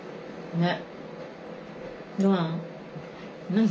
ねっ？